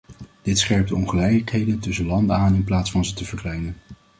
Dit scherpt de ongelijkheden tussen landen aan in plaats van ze te verkleinen.